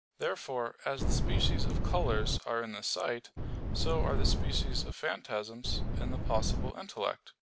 Therefore, as the species of colors are in the sight, so are the species of phantasms in the possible intellect.